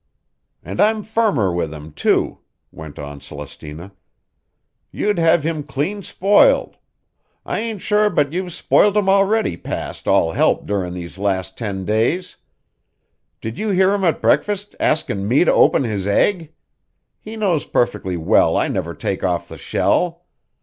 "An' I'm firmer with him, too," went on Celestina. "You'd have him clean spoiled. I ain't sure but you've spoilt him already past all help durin' these last ten days. Did you hear him at breakfast askin' me to open his egg? He knows perfectly well I never take off the shell.